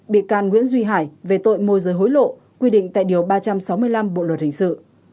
bị can nguyễn duy hải về tội môi giới hối lộ quy định tại điều ba trăm sáu mươi năm bộ luật hình sự